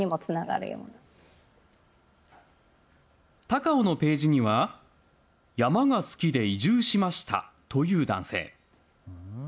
高尾のページには山が好きで移住しましたという男性。